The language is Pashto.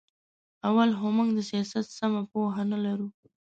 اول خو موږ د سیاست سمه پوهه نه لرو.